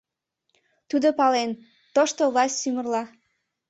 Тудо пален: тошто власть сӱмырла